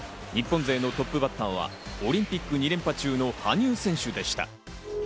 日本勢のトップバッターはオリンピック２連覇中の羽生選手でした。